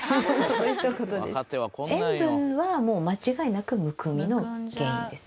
塩分はもう間違いなくむくみの原因です。